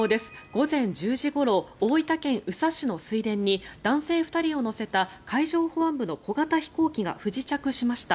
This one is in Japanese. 午前１０時ごろ大分県宇佐市の水田に男性２人を乗せた海上保安部の小型飛行機が不時着しました。